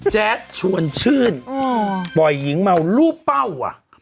แจ๊ดชวนชื่นปล่อยหญิงเมารูปเป้าอ่ะ